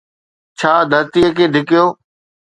ڇا ڌرتيءَ کي ڌڪيو؟